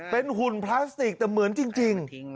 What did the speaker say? เป็นหุ่นพลาสติกแต่เหมือนจริง